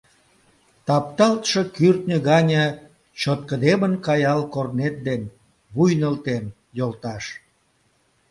Тапталтше кӱртньӧ гане чоткыдемын каял корнет ден, вуй нӧлтен, йолташ!